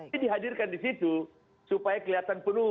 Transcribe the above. jadi dihadirkan di situ supaya kelihatan penuh